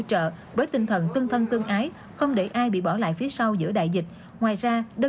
theo tinh thần tương thân tương ái giúp đỡ nhau